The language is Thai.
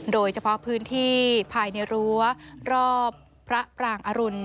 โดยเฉพาะพื้นที่ภายในรั้วรอบพระปรางอรุณ